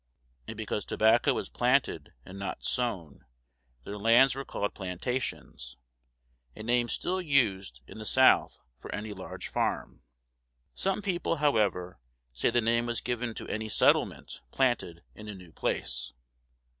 And because tobacco is planted, and not sown, their lands were called plantations, a name still used in the South for any large farm. Some people, however, say the name was given to any settlement planted in a new place.